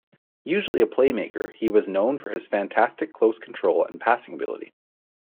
Usually a playmaker, he was known for his fantastic close control and passing ability.